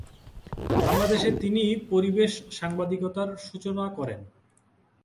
বাংলাদেশে তিনিই পরিবেশ সাংবাদিকতার সূচনা করেন।